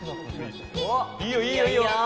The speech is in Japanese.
いいよいいよいいよ！